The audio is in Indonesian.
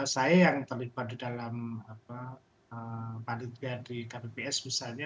saya yang terlibat di dalam panitia di kpps misalnya